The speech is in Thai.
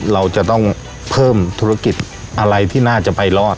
เราจะต้องเพิ่มธุรกิจอะไรที่น่าจะไปรอด